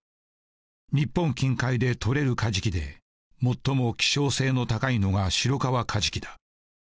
日本近海でとれるカジキで最も希少性の高いのがシロカワカジキだ。